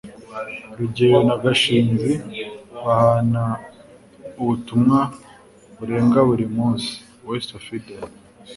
rugeyo na gashinzi bahana ubutumwa burenga buri munsi (westofeden